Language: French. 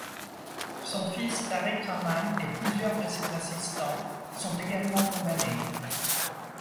Son fils Tarique Rahman et plusieurs de ses assistants sont également condamnés.